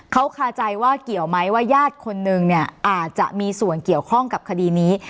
เขาคาใจว่าเกี่ยวไหมว่าญาติคนนึงเนี่ยอาจจะมีส่วนเกี่ยวข้องกับคดีนี้